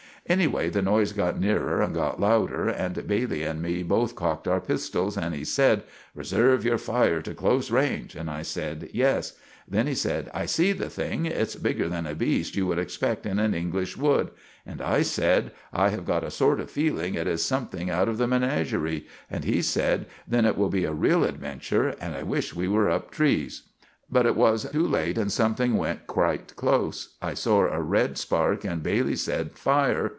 Anyway the noise got nearer and got louder, and Bailey and me both cocked our pistells, and he sed, "Reserve your fire to close range," and I sed, "Yes." Then he sed, "I see the thing. It's bigger than a beast you would expect in an English wood"; and I sed, "I have got a sort of fealing it is something out of the menaggerie"; and he sed, "Then it will be a real adventure, and I wish we were up trees." But it was to late, and something went quite close. I sore a red spark, and Bailey sed, "Fire!"